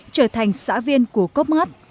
trở thành xã viên của cốc mắc